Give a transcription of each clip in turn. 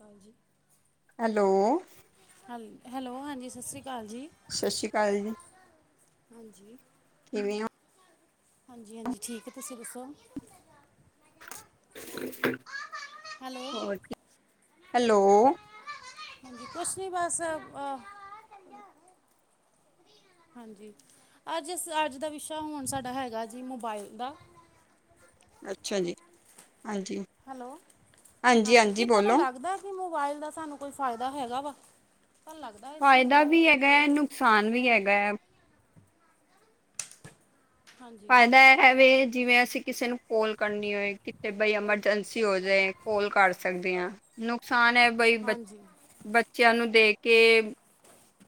ਹਾਂਜੀ। ਹੈਲੋ, ਹੇਲ ਹੈਲੋ ਹਾਂਜੀ ਸਸ ਸ੍ਰੀ ਸਸ੍ਰੀ ਕਾਲ ਜੀ। ਕਿਵੇਂ ਓ? ਹਾਂਜੀ-ਹਾਂਜੀ ਠੀਕ ਹੈ। ਤੁਸੀਂ ਦੱਸੋ? ਹੈਲੋ ਹੋਰ ਕੀ ਹਾ ਹੈਲੋ। ਹਾਂਜੀ। ਕੁਛ ਨੀ ਬਸ ਆ ਹਾਂਜੀ। ਅੱਜਸ ਅੱਜ ਦਾ ਵਿਸ਼ਾ ਹੁਣ ਸਾਡਾ ਹੈ ਆ ਜੀ ਮੋਬਾਈਲ ਦਾ। ਅੱਛਾ ਜੀ। ਹਾਂਜੀ, ਹੈਲੋ। ਹਾਂਜੀ ਕੀ ਤੁਹਾਨੂੰ ਲੱਗਦਾ ਕਿ ਮੋਬਾਇਲ ਦਾ ਸਾਨੂੰ ਕੋਈ ਫਾਇਦਾ ਹੈਗਾ ਵਾ? ਤੁਹਾਨੂੰ ਲੱਗਦਾ ਇਸ ਚੀਜ਼ ਫਾਇਦਾ ਬਾਰੇ ਵੀ ਹੈਗਾ। ਨੁਕਸਾਨ ਵੀ ਹੈਗਾ। ਹਾਂਜੀ ਫਾਇਦਾ ਏਹਵੇ ਜਿਵੇਂ ਅਸ ਅਸੀਂ ਕਿਸੇ ਨੂੰ ਕੋਲ ਕਰਨੀ ਹੋਏ ਕਿਤੇੇ ਬਈ ਐਮਰਜੈਂਸੀ ਹੋ ਜਏ ਕੋਲ ਕਰ ਸਕਦੇ ਆ। ਨੁਕਸਾਨ ਏ ਬਈ ਬ ਹਾਂਜੀ ਬੱਚਿਆਂ ਨੂੰ ਦੇ ਕੇ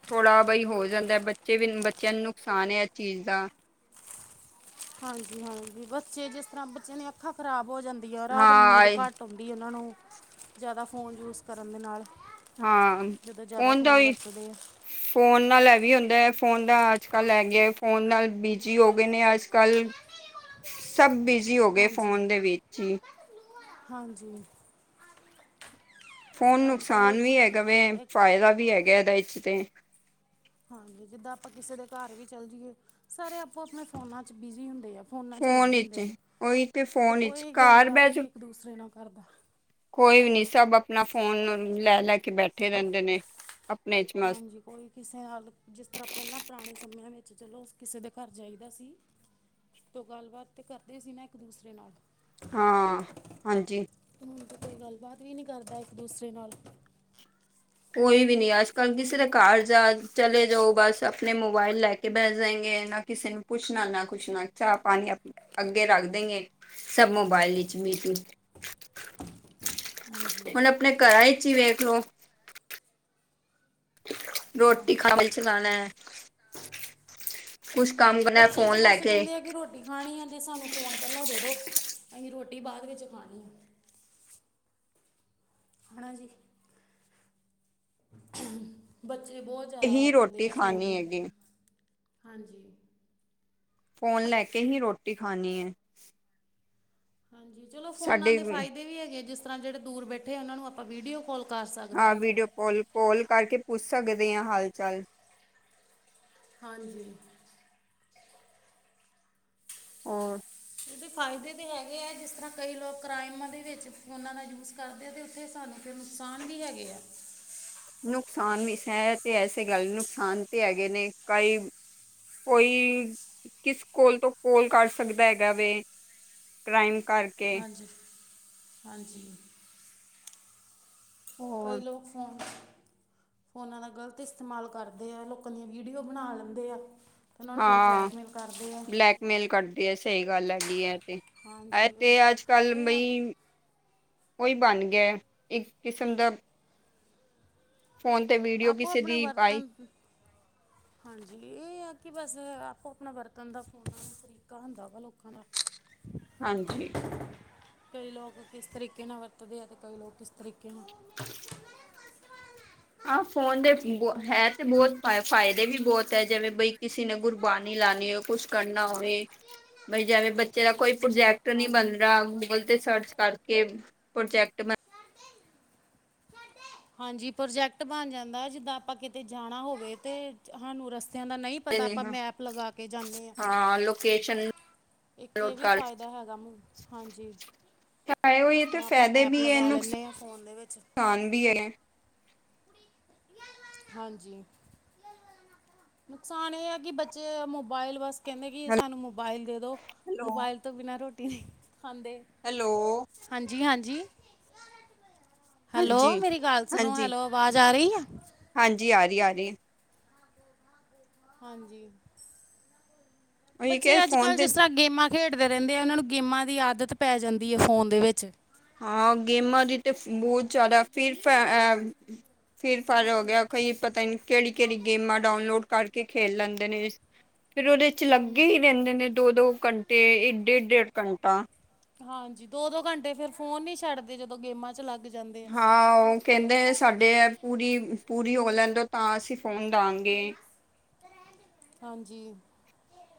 ਥੋੜ੍ਹਾ ਬਹੀ ਹੋ ਜਾਂਦਾ। ਬੱਚੇ ਵੀ ਬੱਚਿਆਂ ਨੂੰ ਨੁਕਸਾਨ ਹੈ ਏਹ ਚੀਜ਼ ਦਾ। ਹਾਂਜੀ-ਹਾਂਜੀ। ਬੱਚੇ ਜਿਸ ਤਰ੍ਹਾਂ ਬੱਚਿਆਂ ਦੀਆਂ ਅੱਖਾਂ ਖ਼ਰਾਬ ਹੋ ਜਾਂਦੀ ਆ। ਰਾਤ ਨੂੰ ਹਾਂ, ਨੀਂਦ ਆਏ ਘੱਟ ਆਉਂਦੀ ਉਨਾਂ ਨੂੰ ਜ਼ਿਆਦਾ ਫ਼ੋਨ ਯੂਜ ਕਰਨ ਦੇ ਨਾਲ। ਹਾਂ। ਜਦੋਂ ਜ਼ਿਆਦਾ ਫੋਨ ਦਾ ਓਈ ਵਰਤਦੇ ਆ ਫੋਨ ਨਾਲ ਐ ਵੀ ਹੁੰਦਾ ਫ ਫੋਨ ਦਾ ਅੱਜ ਕੱਲ੍ਹ ਹੈ ਗਿਆ। ਫੋਨ ਨਾਲ ਬਿਜੀ ਹੋ ਗਏ ਨੇ ਅੱਜ ਕੱਲ੍ਹ। ਸਭ ਬਿਜ਼ੀ ਹੋ ਗਏ। ਹਾਂਜੀ ਫ਼ੋਨ ਦੇ ਵਿੱਚ ਈ।। ਹਾਂਜੀ। ਫ਼ੋਨ ਸਰ ਅੱਜ ਕੱਲ ਨੁਕਸਾਨ ਵੀ ਹੈਗਾ ਵੈ। ਇੱਕ ਫਾਇਦਾ ਵੀ ਹੈਗਾ ਇਹਦਾ ਇਚ ਤੇ। ਹਾਂਜੀ ਜਿੱਦਾਂ ਆਪਾਂ ਕਿਸੇ ਦੇ ਘਰ ਵੀ ਚੱਲ ਜਾਈਏ ਸਾਰੇ ਆਪੋ ਆਪਣੇ ਫੋਨਾਂ ਚ ਬਿਜੀ ਹੁੰਦੇ ਆ ਫੋਨਾਂ 'ਚ ਫੋਨ ਲੱਗੇ ਵਿਚ ਹੁੰਦੇ ਆ ਉਹੀ ਤੇ ਫੋਨ ਵਿਚ ਕੋਈ ਘਰ ਗੱਲਬਾਤ ਬਹਿਜੋ ਨਹੀਂ ਇੱਕ ਦੂਸਰੇ ਨਾਲ ਕਰਦਾ ਕੋਈ ਵੀ ਨੀ ਸਭ ਆਪਣਾ ਫੋਨ ਲੈ ਲੈ ਕੇ ਬੈਠੇ ਰਹਿੰਦੇ ਨੇ ਆਪਣੇ ਚ ਮਸਤ ਹਾਂਜੀ ਕੋਈ ਕਿਸੇ ਹੱਲ ਜਿਸ ਤਰ੍ਹਾਂ ਪਹਿਲਾਂ ਪੁਰਾਣੇ ਸਮਿਆਂ ਵਿੱਚ ਚਲੋ ਕਿਸੇ ਦੇ ਘਰ ਜਾਈਦਾ ਸੀ ਤੇ ਗੱਲਬਾਤ ਤੇ ਕਰਦੇ ਸੀ ਨਾ ਇੱਕ ਦੂਸਰੇ ਨਾਲ ਹਾਂ ਹਾਂਜੀ ਹੁਣ ਤਾਂ ਕੋਈ ਗੱਲਬਾਤ ਵੀ ਨਹੀਂ ਕਰਦਾ ਇੱਕ ਦੂਸਰੇ ਨਾਲ ਕੋਈ ਵੀ ਨਹੀਂ ਅੱਜ ਕੱਲ ਕਿਸਰ ਕਾਰਜ ਚਲੇ ਜਾਓ ਬਸ ਆਪਣੇ ਮੋਬਾਇਲ ਲੈ ਕੇ ਬੈਠ ਜਾਏਗੇ ਨਾ ਕਿਸੇ ਨੂੰ ਪੁੱਛਣਾ ਨਾ ਕੁੱਛ ਨਾ ਚਾਹ ਪਾਣੀ ਅੱਗੇ ਰੱਖ ਦਗੇ ਸਭ ਮੋਬਾਇਲ ਲਈ ਹੁਣ ਹਾਂਜੀ ਆਪਣੇ ਘਰਾਂ ਵਿੱਚ ਹੀ ਵੇਖ ਲੋ ਰੋਟੀ ਹਾਂਜੀ ਖਾਣੀ ਚਬਾਣਾ ਲਾ ਕੁਛ ਕੰਮ ਕਰਨਾ ਫੋਨ ਲੈ ਕੇ ਪਾਣੀ ਆ ਅਤੇ ਸਾਨੂੰ ਫੋਨ ਪਹਿਲਾਂ ਦੇ ਦਉ ਅਸੀਂ ਰੋਟੀ ਬਾਅਦ ਵਿੱਚ ਖਾਣੀ ਆ ਹਨਾ ਜੀ ਬੱਚੇ ਬਹੁਤ ਜ਼ਿਆਦਾ ਹੀ ਵਰਤਦੇ ਰੋਟੀ ਆ ਫੋਨ ਖਾਣੀ ਨੂੰ ਹੈਗੀ ਹਾਂਜੀ ਫੋਨ ਲੈ ਕੇ ਹੀ ਰੋਟੀ ਖਾਣੀ ਹੈ ਹਾਂਜੀ ਚਲੋ ਫੋਨਾਂ ਸਾਡੇ ਦੇ ਫਾਇਦੇ ਵੀ ਹੈਗੇ ਜਿਸ ਤਰ੍ਹਾਂ ਜਿਹੜੇ ਦੂਰ ਬੈਠੇ ਉਹਨਾਂ ਨੂੰ ਆਪਾਂ ਵੀਡੀਓ ਕਾਲ ਕਰ ਸਕਦੇ ਹਾਂ ਵੀਡੀਓ ਕਾਲ ਕੋਲ ਕਰਕੇ ਪੁੱਛ ਸਕਦੇ ਹਾਂ ਹਾਲ ਚਾਲ ਹਾਂਜੀ ਹਾਂ ਇਹਦੇ ਫਾਇਦੇ ਤਾਂ ਹੈਗੇ ਹੈ ਜਿਸ ਤਰ੍ਹਾਂ ਕਈ ਲੋਕ ਕ੍ਰਾਈਮਾਂ ਦੇ ਵਿੱਚ ਫੋਨਾਂ ਦਾ ਯੂਜ਼ ਕਰਦੇ ਆ ਅਤੇ ਉੱਥੇ ਸਾਨੂੰ ਨੁਕਸਾਨ ਵੀ ਹੈਗੇ ਆ ਨੁਕਸਾਨ ਵੀ ਹੈ ਤੇ ਐਸੇ ਗੱਲ ਨੁਕਸਾਨ ਤੇ ਹੈਗੇ ਨੇ ਕਈ ਕੋਈ ਕਿਸ ਕੋਲ ਤੋਂ ਕੋਲ ਕਰ ਸਕਦਾ ਹੈਗਾ ਵੇ ਕ੍ਰਾਈਮਾਂ ਹਾਂਜੀ ਹਾਂਜੀ ਹੋਰ ਕੱਲ ਲੋਕ ਫੋਨ ਫੋਨਾਂ ਦਾ ਗ਼ਲਤ ਇਸਤੇਮਾਲ ਕਰਦੇ ਆ ਲੋਕਾਂ ਦੀ ਵੀਡੀਓ ਬਣਾ ਲੈਂਦੇ ਆ ਉਹਨਾਂ ਨੂੰ ਫਿਰ ਹਾਂ ਬਲੈਕਮੇਲ ਕਰਦੇ ਆ ਬਲੈਕਮੇਲ ਕਰਦੀ ਹੈ ਸਹੀ ਗੱਲ ਹੈਗੀ ਹੈ ਐ ਹਾਂਜੀ ਤੇ ਅੱਜ ਕੱਲ ਇਹ ਇਹ ਆ ਮਈ ਉਹੀ ਬਣ ਗਿਆ ਇੱਕ ਕਿਸਮ ਦਾ ਫੋਨ ਤੇ ਵੀਡੀਓ ਆਪਾਂ ਕਿਸੇ ਆਪਣੇ ਦੀ ਪਾਈ ਵਰਤਨ ਹਾਂਜੀ ਇਹ ਕਿ ਬਸ ਆਪੋ ਆਪਣਾ ਬਰਤਨ ਦਾ ਫੋਨ ਤਰੀਕਾ ਹੁੰਦਾ ਵਾ ਲੋਕਾਂ ਦਾ ਹਾਂਜੀ ਕਈ ਲੋਕ ਕਿਸ ਤਰੀਕੇ ਨਾਲ ਵਰਤਦੇ ਆ ਤੇ ਕਈ ਲੋਕ ਕਿਸ ਤਰੀਕੇ ਨਾਲ ਹਾਂ ਫੋਨ ਦੇ ਬਹੁ ਖਾਣਾ ਵੀ ਹੈ ਤੇ ਬਹੁਤ ਫਾਇਦੇ ਵੀ ਬਹੁਤ ਹੈ ਜਿਵੇਂ ਕੋਈ ਕਿਸੇ ਨੇ ਗੁਰਬਾਾਨੀ ਲਾਉਣੀ ਹੋਵੇ ਕੁਛ ਕਰਨਾ ਹੋਵੇ ਬਈ ਜਿਵੇਂ ਬੱਚੇ ਦਾ ਕੋਈ ਪ੍ਰੋਜੈਕਟ ਨਹੀਂ ਬਣ ਹਾਂਜੀ ਰਿਹਾ ਗੂਗਲ ਤੇ ਸਰਚ ਕਰਕੇ ਪ੍ਰੋਜੈਕਟ ਬਣ ਹਾਂਜੀ ਪ੍ਰੋਜੈਕਟ ਬਣ ਜਾਂਦਾ ਜਿੱਦਾਂ ਆਪਾਂ ਕਿਤੇ ਜਾਣਾ ਹੋਵੇ ਤੇ ਸਾਨੂੰ ਰਸਤੇ ਜਿਨਾਂ ਨੂੰ ਨਹੀਂ ਪਤਾ ਆਪਾਂ ਨੇ ਮੈਪ ਲਗਾ ਕੇ ਜਾਂਦੇ ਹਾਂ ਇੱਕ ਇਹ ਨੋਟ ਵੀ ਕਰ ਫਾਇਦਾ ਹੈਗਾ ਮ ਹਾਂਜੀ ਤਾਂ ਹੋ ਇਸ ਹੀ ਤੇ ਤਰ੍ਹਾਂ ਆਪਾਂ ਫਾਇਦੇ ਮੈਪ ਵੀ ਹੈ ਲਗਾ ਲੈਂਦੇ ਹਾਂ ਫੋਨ ਦੇ ਵਿੱਚ ਨੁਕਸਾਨ ਵੀ ਹੈ ਹਾਂਜੀ ਨੁਕਸਾਨ ਇਹ ਹੈ ਕਿ ਬੱਚੇ ਮੋਬਾਇਲ ਵਾਸਤੇ ਕਹਿੰਦੇ ਕਿ ਸਾਨੂੰ ਮੋਬਾਇਲ ਦੇ ਦੋ ਹੈਲੋ ਮੋਬਾਇਲ ਤੋਂ ਬਿਨਾਂ ਰੋਟੀ ਨਹੀਂ ਖਾਂਦੇ ਹੈਲੋ ਹਾਂਜੀ ਹਾਂਜੀ ਹਾਂਜੀ ਹੈਲੋ ਮੇਰੀ ਗੱਲ ਸੁਣੋ ਹਾਂਜੀ ਹੈਲੋ ਆਵਾਜ਼ ਆ ਰਹੀ ਆ ਹਾਂਜੀ ਆ ਰਹੀ ਆ ਰਹੀ ਹਾਂਜੀ ਉਹੀ ਬੱਚੇ ਕਿ ਅੱਜ ਫੋਨ ਕੱਲ ਤੇ ਜਿਸ ਤਰ੍ਹਾਂ ਗੇਮਾਂ ਖੇਡਦੇ ਰਹਿੰਦੇ ਆ ਉਹਨਾਂ ਨੂੰ ਗੇਮਾਂ ਦੀ ਆਦਤ ਪੈ ਜਾਂਦੀ ਹੈ ਫੋਨ ਦੇ ਵਿੱਚ ਹਾਂ ਗੇਮਾਂ ਦੀ ਤਾਂ ਬਹੁਤ ਜ਼ਿਆਦਾ ਫਿਰ ਫ ਅ ਫੀਫਾ ਹੋ ਗਿਆ ਕਈ ਪਤਾ ਨ ਕਿਹੜੀ ਕਿਹੜੀ ਗੇਮਾਂ ਡਾਊਨਲੋਡ ਕਰਕੇ ਖੇਲ ਲੈਂਦੇ ਨੇ ਫਿਰ ਉਹਦੇ ਚ ਹਾਂ ਲੱਗੇ ਹੀ ਰਹਿੰਦੇ ਨੇ ਦੋ ਦੋ ਘੰਟੇ ਡੇਢ ਡੇਢ ਘੰਟਾ ਹਾਂਜੀ ਦੋ ਦੋ ਘੰਟੇ ਫੇ ਫੋਨ ਨੀ ਛੱਡਦੇ ਜਦੋਂ ਗੇਮਾਂ ਚ ਲੱਗ ਜਾਂਦੇ ਆ ਹਾਂ ਉਹ ਕਹਿੰਦੇ ਸਾਡੇ ਹੈ ਪੂਰੀ ਪੂਰੀ ਹੋ ਲੈਂਦੇ ਤਾਂ ਅਸੀਂ ਫੋਨ ਦਵਾਂਗੇ ਹਾਂਜੀ,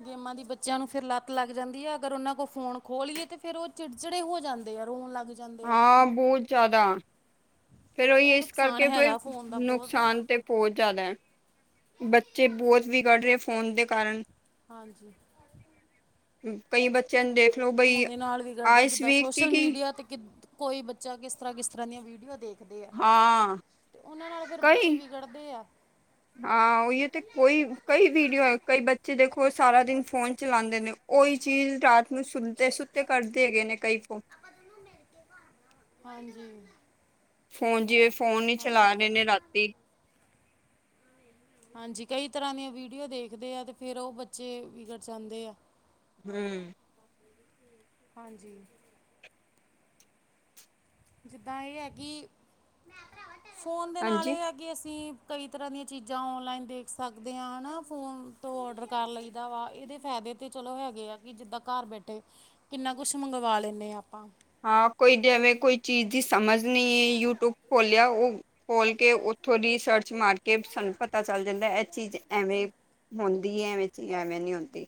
ਗੇਮਾਂ ਦੀ ਬੱਚਿਆਂ ਨੂੰ ਫਿਰ ਲੱਤ ਲੱਗ ਜਾਂਦੀ ਹੈ ਅਗਰ ਉਹਨਾਂ ਕੋਲ ਫੋਨ ਖੋ ਲਈਏ ਤੇ ਫੇਰ ਉਹ ਚਿੜਚਿੜੇ ਹੋ ਜਾਂਦੇ। ਰੋਣ ਲੱ ਹਾਂ ਬਹੁਤ ਜ਼ਿਆਦਾ ਫਿਰ ਉਹੀ ਇਹ ਇਸ ਨੁਕਸਾਨ ਕਰਕੇ ਹੈਗਾ ਫੋਨ ਦਾ ਬਹੁਤ ਨੁਕਸਾਨ ਤੇ ਬਹੁਤ ਜ਼ਿਆਦਾ ਹੈ। ਬੱਚੇ ਬਹੁਤ ਵਿਗੜ ਰਹੇ ਫੋਨ ਦੇ ਕਾਰਨ, ਹਾਂਜੀ, ਕਈ ਬੱਚੇ, ਫੋਨ ਦੇ ਨਾਲ ਵੀ ਕੱਢਦੇ ਜਿੱਦਾਂ ਵੀਕ ਕੀ ਸੋਸ਼ਲ ਕੀ ਮੀਡੀਆ ਤੇ ਕਿ, ਕੋਈ ਬੱਚਾ ਕਿਸ ਤਰ੍ਹਾਂ ਕਿਸ ਤਰ੍ਹਾਂ ਦੀਆਂ ਵੀਡੀਓ ਦੇਖ। ਤੇ ਹਾਂ ਉਹਨਾਂ ਨਾਲ ਫਿਰ ਬੱਚੇ ਵਿਗੜਦੇ ਆ, ਹਾਂਹੀ ਤੇ ਕੋਈ ਕਈ ਵੀਡੀਓ ਕਈ ਬੱਚੇ ਦੇਖੋ। ਉਹ ਸਾਰਾ ਦਿਨ ਫੋਨ ਚਲਾਦੇ ਨੇ ਉਹੀ ਚੀਜ਼ ਰਾਤ ਨੂੰ ਸੁੱਦੇ ਸੁੱਤੇ ਕਰਦੇ ਹੈਗੇ ਨੇ ਕਈ ਫੋਨ ਕੇ, ਹਾਂਜੀ, ਹੋਨ ਜਿਵੇਂ ਫੋਨ ਹੀ ਚਲਾ ਹਾਂਜੀ ਰਹੇ ਨੇ ਰਾਤੀ, ਹਾਂਜੀ ਕਈ ਤਰ੍ਹਾਂ ਦੀਆਂ ਵੀਡੀਓ ਦੇਖਦੇ ਆ ਤੇ ਫੇਰ ਉਹ ਬੱਚੇ ਵਿਗੜ ਜਾਂਦੇ ਆ। ਹੂੰ, ਹਾਂਜੀ, ਜਿੱਦਾਂ ਇਹ ਹੈ ਕਿ ਫੋਨ ਦੇ ਨਾਲ ਹਾਂਜੀ ਇਹ ਹੈ ਕਿ ਅਸੀਂ, ਕਈ ਤਰ੍ਹਾਂ ਦੀਆਂ ਚੀਜ਼ਾਂ ਔਨਲਾਈਨ ਦੇਖ ਸਕਦੇ ਹਾਂ ਨਾ ਫੋਨ ਤੋਂ ਔਡਰ ਕਰ ਲਈਦਾ ਵਾ ਇਹਦੇ ਫਾਇ ਤੇ ਚਲੋ ਹੈਗੇ ਆ ਕਿ ਜਿੱਦਾਂ ਘਰ ਬੈਠੇ ਕਿੰਨਾ ਕੁੱਛ ਮੰਗਵਾ ਲੈਂਨੇ ਆ ਆਪਾਂ, ਹਾਂ ਕੋਈ ਐਵੇਂ ਕੋਈ ਚੀਜ਼ ਦੀ ਸਮਝ ਨਹੀਂ ਯੂਟਿਊਬ ਖੋਲਿਆ ਉਹ ਖੋਲ ਕੇ, ਥੋੜ੍ਹੀ ਸਰਚ ਮਾਰ ਕੇ ਸਾਨੂੰ ਪਤਾ ਚੱਲ ਜਾਂਦਾ ਇਹ ਚੀਜ਼, ਐਵੇਂ ਹੁੰਦੀ ਹੈ ਐਵੇਂ ਚ ਐਵੇਂ ਨੀ ਹੁੰਦੀ।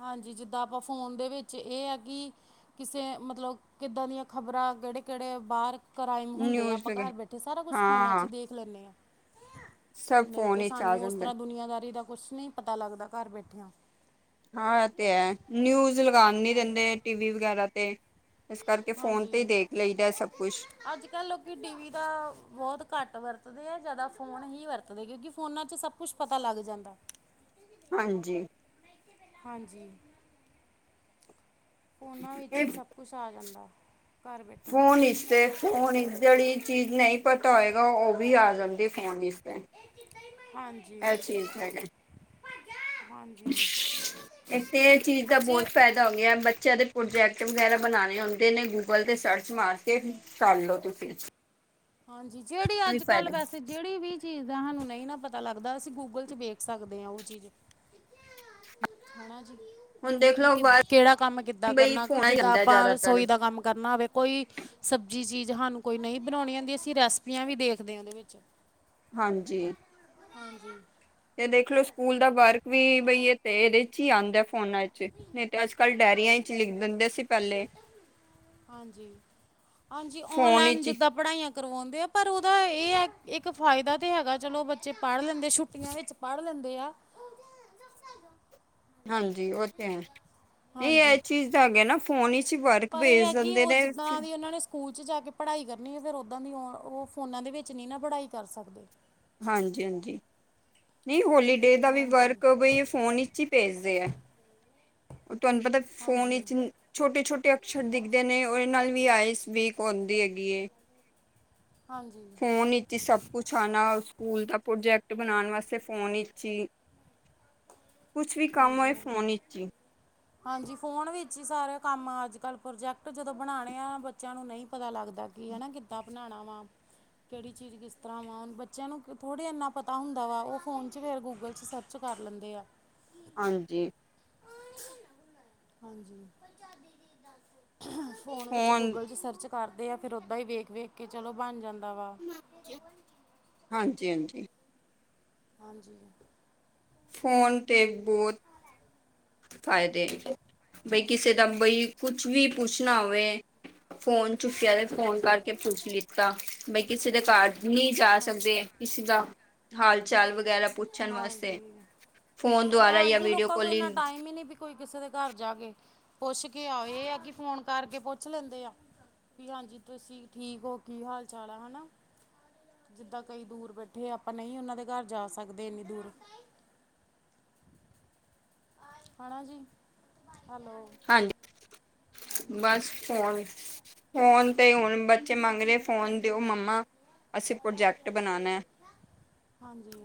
ਹਾਂਜੀ ਜਿੱਦਾਂ ਆਪਾਂ ਫੋਨ ਦੇ ਵਿੱਚ ਇਹ ਹੈ ਕਿ ਕਿਸੇ ਮਤਲਬ ਕਿੱਦਾਂ ਦੀਆਂ ਖ਼ਬਰਾਂ, ਕਿਹੜੇ-ਕਿਹੜੇ ਬਾਹਰ ਕ੍ਰਾਈਮ ਹੁੰਦੇ ਆ ਨਿਊਜ਼ ਆਪਾਂ ਵਗੈ ਘਰ ਬੈਠੇ ਸਾਰਾ ਕੁਛ ਫੋਨਾ ਚ ਹਾਂ ਦੇਖ ਲੈਂਦੇ ਹਾਂ। ਸਭ ਨਹੀਂ ਫੋਨ ਤੇ ਵਿਚ ਸਾਨੂੰ ਆ ਉਸ ਜਾਂਦਾ ਤਰ੍ਹਾਂ ਦੁਨੀਆਂਦਾਰੀ ਦਾ ਕੁਛ ਨਹੀਂ ਪਤਾ ਲੱਗਦਾ ਘਰ ਬੈਠਿਆਂ, ਤੇ ਹੈ ਨਿਊਜ਼ ਲਗਾਉਣ ਨੀ ਹਾਂ ਦਿੰਦੇ ਟੀ ਵੀ ਵਗੈਰਾ ਤੇ, ਇਸ ਕਰਕੇ ਫੋਨ ਹਾਂਜੀ ਤੇ ਹੀ ਦੇਖ ਲਈ, ਅੱਜ ਕੱਲ ਲੋਕੀ ਟੀਵੀ ਦਾ ਬਹੁਤ ਘੱਟ ਵਰਤ ਵਰਤਦੇ ਆ ਜ਼ਿਆਦਾ ਫੋਨ ਹੀ ਵਰਤਦੇ ਕਿਉਂਕਿ ਫੋਨਾਂ ਚ ਸਭ ਕੁਛ ਪਤਾ ਲੱਗ ਜਾਂਦਾ। ਹਾਂਜੀ। ਹਾਂਜੀ। ਉਹਨਾਂ ਵਿੱਚ ਹੀ ਇਹ ਸਭ ਕੁਛ ਆ ਜਾਂਦਾ। ਘਰ ਬੈਠੇ ਫੋਨ ਇਸਤੇ ਫੋਨ ਜਿਹੜੀ ਚੀਜ਼ ਨਹੀਂ ਪਤਾ ਹੋਏਗਾ ਉਹ ਵੀ ਆ ਜਾਂਦੀ ਫੋਨ, ਹਾਂਜੀ ਅੱਛੀ ਹਾਂਜੀ ਇਥੇ ਇਹ ਚੀਜ਼ ਦਾ ਬੱਚੇ ਬਹੁਤ ਫਾਇਦਾ ਹੋ ਗਿਆ ਬੱਚਿਆਂ ਦੇ, ਪ੍ਰੋਜੈਕਟ ਵਗੈਰਾ ਬਣਾਣੇ ਹੁੰਦੇ ਨੇ ਗੂਗਲ 'ਤੇ ਸਰਚ ਮਾਰ ਕੇ ਕਰਲੋ ਲਓ ਤੁਸੀਂ, ਹਾਂਜੀ ਜਿਹੜੀ ਵੀ ਅੱਜ-ਕੱਲ ਫਾਇਦਾ ਵੈਸੇ ਜਿਹੜੀ ਵੀ ਚੀਜ਼, ਸਾਨੂੰ ਨਹੀਂ ਨਾ ਪਤਾ ਲੱਗਦਾ ਅਸੀਂ ਗੂਗਲ ਚ ਵੇਖ ਸਕਦੇ ਹਾਂ ਉਹ ਚੀਜ਼, ਹਨਾ ਜੀ, ਹੁਣ ਦੇਖ ਲਓ ਕਿ ਬਾਹਰ ਕਿਹੜਾ ਕੰਮ ਕਿੱਦਾਂ ਬਈ ਕਰਨਾ ਕਿ ਫੋਨਾ ਹੀ ਜਿੱਦਾਂ ਆਂਦਾ ਆਪਾਂ ਜ਼ਿਆਦਾਤਰ ਰਸੋਈ ਦਾ ਕੰਮ ਕਰਨਾ ਹੋਵੇ ਕੋਈ ਸਬਜ਼ੀ ਚੀਜ਼ ਸਾਨੂੰ ਕੋਈ ਨਹੀਂ ਬਣਾਉਣੀ ਹੁੰਦੀ ਅਸੀਂ ਰੈਸਪੀਆਂ ਵੀ ਦੇਖਦੇ ਹਾਂ ਉਹਦੇ ਵਿੱਚ ਹਾਂਜੀ। ਹਾਂਜੀ। ਤੇ ਦੇਖਲੋ ਸਕੂਲ ਦਾ ਵਰਕ ਵੀ ਬਈ ਇਹ ਤੇ ਇਹਦੇ ਚ ਹੀ ਆਉਂਦਾ ਫੋਨਾਂ ਚ ਨਹੀਂ ਤੇ ਅੱਜ ਕੱਲ ਡਾਇਅਰੀਆਂ ਚ ਲਿਖ ਦਿੰਦੇ ਸੀ ਪਹਿਲੇ ਹਾਂਜੀ-ਹਾਂਜੀ ਫੋਨ ਓਨਲਾਈਨ ਵਿੱਚ ਹੀ ਜਿੱਦਾਂ ਪੜ੍ਹਾਈਆਂ ਕਰਵਾਉਂਦੇ ਆ ਪਰ ਉਹਦਾ ਇਹ ਇੱਕ ਫਾਇਦਾ ਤੇ ਹੈਗਾ ਚਲੋ ਬੱਚੇ ਪੜ੍ਹ ਲੈਂਦੇ ਛੁੱਟੀਆਂ ਵਿੱਚ ਪੜ੍ਹ ਲੈਂਦੇ ਆ ਹਾਂਜੀ ਉਹ ਤੇ ਹੈ। ਇਹ ਹਾਂਜੀ ਚੀਜ਼ ਤਾਂ ਹੈਗੇ ਨਾ ਫੋਨ ਵਿਚ ਵਰਕ ਪਰ ਇਹ ਹੈ ਭੇਜ ਕਿ ਦਿੰਦੇ ਉਹ ਨੇ ਜਿੱਦਾਂ ਦੀ ਉਹਨਾਂ ਨੇ ਸਕੂਲ ਜਾ ਕੇ ਪੜ੍ਹਾਈ ਕਰਨੀ ਹੈ ਫੇਰ ਓਦਾਂ ਦੀ ਉਹ ਫੋਨਾ ਦੇ ਵਿੱਚ ਨਹੀਂ ਨਾ ਪੜ੍ਹਾਈ ਕਰ ਸਕਦੇ ਹਾਂਜੀ-ਹਾਂਜੀ। ਨਹੀਂ ਹੋਲੀਡੇ ਦਾ ਵੀ ਹਾਂਜੀ ਵਰਕ ਹੋਵੇ ਇਹ ਫ਼ੋਨ ਵਿੱਚ ਹੀ ਭੇਜਦੇ ਹੈ। ਤੁਹਾਨੂੰ ਪਤਾ ਫੋਨ ਹਾਂਜੀ ਵਿੱਚ ਛੋਟੇ-ਛੋਟੇ ਅਕਸ਼ਰ ਦਿਖਦੇ ਨੇ ਉਹਦੇ ਨਾਲ ਵੀ ਆਈਸ ਵੀਕ ਆਉਂਦੀ ਹੈਗੀ ਹਾਂਜੀ ਫੋਨ ਨੀ ਸਭ ਕੁਛ ਆਣਾ ਸਕੂਲ ਦਾ ਪ੍ਰੋਜੈਕਟ ਬਣਾਉਣ ਵਾਸਤੇ ਫੋਨ ਵਿਚੀ ਕੁਛ ਵੀ ਕੰਮ ਹਾਂਜੀ ਹੋਏ ਹਾਂਜੀ ਫੋਨ ਵਿੱਚ ਹੀ। ਹਾਂਜੀ, ਫੋਨ ਵਿੱਚ ਹੀ ਸਾਰੇ ਕੰਮ ਅੱਜ ਕੱਲ੍ਹ ਪ੍ਰੋਜੈਕਟ ਜਦੋਂ ਬਣਾਉਣੇ ਆ ਬੱਚਿਆਂ ਨੂੰ ਨਹੀਂ ਪਤਾ ਲੱਗਦਾ। ਹਨਾ ਕਿਧਾ ਬਣਾਣਾ ਵਾ। ਕਿਹੜੀ ਚੀਜ਼ ਕਿਸ ਤਰ੍ਹਾਂ ਵਾ, ਬੱਚਿਆਂ ਨੂੰ ਥੋੜ੍ਹੇ ਇੰਨਾ ਪਤਾ ਹੁੰਦਾ ਵਾ। ਉਹ ਫੋਨ 'ਚ ਫਿਰ ਗੂਗਲ 'ਚ ਸਰਚ। ਕਰ ਲੈਂਦੇ ਆ। ਹਾਂਜੀ। ਹਾਂਜੀ। ਫੋਨ ਵਿੱਚ ਗੂਗਲ 'ਚ ਸਰਚ ਕਰਦੇ ਆ, ਫਿਰ ਉੱਦਾਂ ਹੀ ਵੇਖ ਵੇਖ ਕੇ ਚਲੋ ਬਣ ਜਾਂਦੀ। ਹਾਂਜੀ- ਹਾਂਜੀ। ਹਾਂਜੀ। ਫੋਨ 'ਤੇ ਬਹੁਤ ਫਾਇਦੇ ਬਈ ਕਿਸੇ ਦਾ ਬਈ ਕੁਝ ਵੀ ਪੁੱਛਣਾ ਹੋਵੇ। ਫੋਨ ਚੁੱਕਿਆ ਤੇ ਫੋਨ ਕਰਕੇ ਪੁੱਛ ਲਿੱਤਾ। ਬਈ ਕਿਸੇ ਦੇ ਨਹੀਂ ਜਾ ਹਾਂਜੀ ਸਕਦੇ ਕਿਸੇ ਦਾ ਹਾਲ-ਚਾਲ ਵਗੈਰਾ ਪੁੱਛਣ ਵਾਸਤੇ। ਹਾਂਜੀ ਫੋਨ ਦੁਆਰਾ ਜਾਂ ਹਾਂਜੀ ਵੀਡੀਓ ਲੋਕਾਂ ਕੋਲ ਇੰਨਾ ਕਾਲਿੰਗ। ਟਾਈਮ ਹੀ ਨਹੀਂ ਕੋਈ ਕਿਸੇ ਦੇ ਘਰ ਜਾ ਕੇ ਪੁੱਛ ਕੇ ਆਏ, ਜਾਂ ਕੀ ਫੋਨ ਕਰਕੇ ਪੁੱਛ ਲੈਂਦੇ ਆ। ਬਈ ਹਾਂਜੀ। ਤੁਸੀਂ ਠੀਕ ਹੋ? ਕੀ ਹਾਲ-ਚਾਲ ਆ, ਹੈ ਨਾ। ਜਿੱਦਾਂ ਕਈ ਦੂਰ ਬੈਠੇ ਆ, ਆਪਾਂ ਨਹੀਂ ਉਹਨਾਂ ਦੇ ਘਰ ਜਾ ਸਕਦੇ ਐਨੀ ਦੂਰ। [unintelligible] [unintelligible] ਹੈਨਾ ਜੀ, ਹੈਲੋ। ਹਾਂਜੀ ਹਾਂਜੀ ਬਸ ਫੋਨ-ਫੋਨ 'ਤੇ ਹੁਣ। ਬੱਚੇ ਮੰਗਦੇ, ਫੋਨ ਦਿਓ ਮੰਮਾ, ਅਸੀਂ ਪ੍ਰੋਜੈਕਟ ਬਣਾਉਣਾ ਏ। ਹਾਂਜੀ।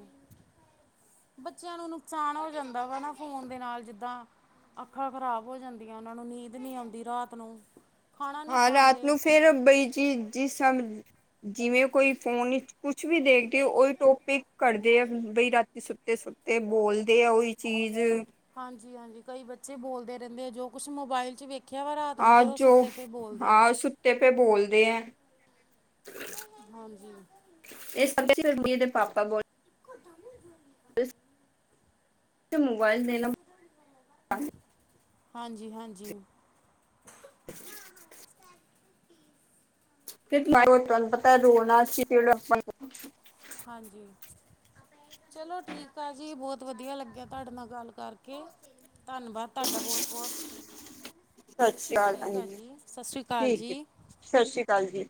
ਬੱਚਿਆਂ ਨੂੰ ਨੁਕਸਾਨ ਹੋ ਜਾਂਦਾ ਵਾ ਨਾ ਫੋਨ ਦੇ ਨਾਲ, ਜਿੱਦਾਂ। ਅੱਖਾਂ ਖ਼ਰਾਬ ਹੋ ਜਾਂਦੀਆਂ। ਉਹਨਾਂ ਨੂੰ ਨੀਂਦ ਨਹੀਂ ਆਉਂਦੀ ਰਾਤ ਨੂੰ। ਖਾਣਾ ਨਹੀਂ ਹਾਂ ਰਾਤ ਖਾਂਦੇ ਨੂੰ ਫਿਰ ਬਈ ਜੀ ਜੀ ਸਭ ਜਿਵੇਂ ਕੋਈ ਫੋਨ। ਕੁਝ ਵੀ ਦੇਖਦੇ ਹੋ, ਉਹੀ ਟੌਪਿਕ ਕਰਦੇ ਆ ਬਈ। ਸੁੱਤੇ ਸੁੱਤੇ ਬੋਲਦੇ ਆ ਉਹੀ ਚੀਜ਼। ਹਾਂਜੀ ਹਾਂਜੀ, ਕਈ ਬੱਚੇ ਬੋਲਦੇ ਰਹਿੰਦੇ ਆ ਜੋ ਕੁਛ ਮੋਬਾਇਲ 'ਚ। ਵੇਖਿਆ ਵਾ ਰਾਤ ਨੂੰ ਹਾਂ ਫਿਰ ਉਹ ਜੋ ਸੁੱਤੇ ਪਏ ਬੋਲਦੇ ਆ ਹਾਂ ਸੁੱਤੇ ਪੇ ਬੋਲਦੇ ਹੈ। ਹਾਂਜੀ। ਤੇ ਪਾਪਾ ਬੋਲ। ਮੋਬਾਈਲ ਨ ਹਾਂਜੀ-ਹਾਂਜੀ। ਨਹੀਂ, ਤਹਾਨੁੰ ਪਤਾ ਰੋਣਾ ਸੀ। ਹਾਂਜੀ, ਚਲੋ ਠੀਕ ਆ ਜੀ ਬਹੁਤ ਵਧੀਆ ਲੱਗਿਆ ਤੁਹਾਡੇ ਨਾਲ ਗੱਲ ਕਰਕੇ। ਧੰਨਵਾਦ ਤੁਹਾਡਾ ਬਹੁਤ-ਬਹੁਤ, ਸਤਿ ਸ਼੍ਰੀ ਅਕਾਲ ਠੀਕ ਆ ਹਾਂਜੀ ਜੀ ਸਤਿ ਸ੍ਰੀ ਅਕਾਲ ਠੀਕ ਹੈ ਜੀ। ਸਤਿ ਸ੍ਰੀ ਅਕਾਲ ਜੀ।